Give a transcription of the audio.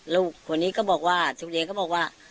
ลูกคนนี้ก็บอกว่าทุเรียนก็บอกว่า